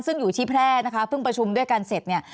ซึ่งอยู่ที่แพร่นะคะเพิ่งประชุมด้วยกันเสร็จเนี่ย